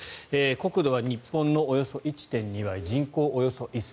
国土は日本のおよそ１．２倍人口およそ１０００万人